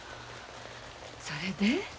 それで？